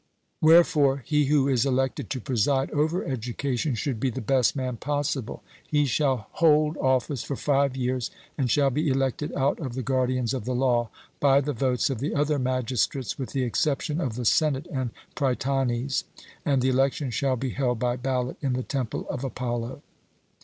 Wherefore he who is elected to preside over education should be the best man possible. He shall hold office for five years, and shall be elected out of the guardians of the law, by the votes of the other magistrates with the exception of the senate and prytanes; and the election shall be held by ballot in the temple of Apollo.